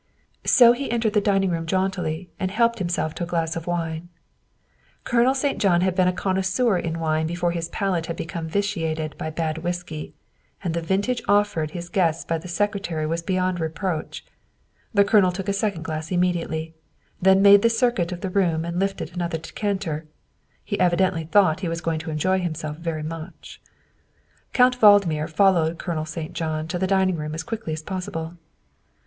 So he entered the dining room jauntily and helped himself to a glass of wine. Colonel St. John had been a connoisseur in wine before his palate had become vitiated by bad whiskey, and the vintage offered his guests by the Secretary was beyond reproach. The Colonel took a second glass immediately, then made the circuit of the room and lifted another decanter; he evidently thought he was going to enjoy himself very much. Count Valdmir followed Colonel St. John to the dining room as quickly as possible.